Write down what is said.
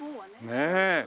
ねえ。